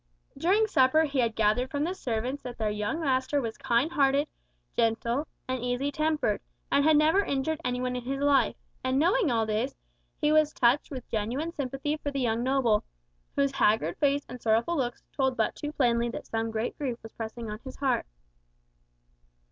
During supper he had gathered from the servants that their young master was kind hearted, gentle, easy tempered, and had never injured any one in his life; and knowing all this, he was touched with genuine sympathy for the young noble, whose haggard face and sorrowful looks told but too plainly that some great grief was pressing on his heart.